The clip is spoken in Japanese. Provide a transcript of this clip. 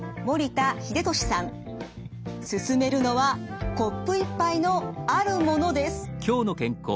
勧めるのはコップ１杯のあるものです。